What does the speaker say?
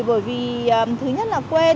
bởi vì thứ nhất là quên